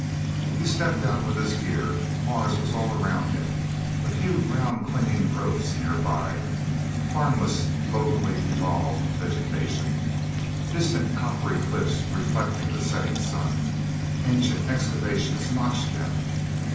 He stepped down with his gear. Mars was all around him: A few ground clinging growths nearby harmless, locally evolved vegetation. Distant, coppery cliffs reflecting the setting sun. Ancient excavations notched them.